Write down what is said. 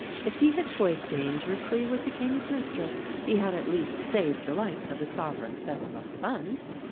If he had toyed dangerously with the King's mistress, he had at least saved the life of his Sovereign's best loved son.